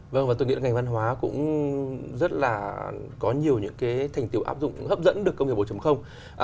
vâng và tôi nghĩ là ngành văn hóa cũng rất là có nhiều những cái thành tiệu áp dụng hấp dẫn được công nghiệp bốn